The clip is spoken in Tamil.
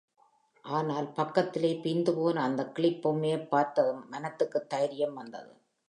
ஆனால் பக்கத்திலே பிய்ந்துபோன அந்தக் கிளிப் பொம்மையைப் பார்த்ததும் மனத்துக்குத் தைரியம் வந்தது.